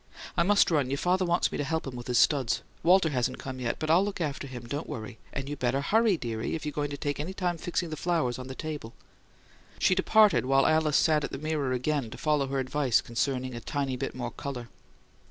I must run: your father wants me to help him with his studs. Walter hasn't come yet, but I'll look after him; don't worry, And you better HURRY, dearie, if you're going to take any time fixing the flowers on the table." She departed, while Alice sat at the mirror again, to follow her advice concerning a "tiny bit more colour."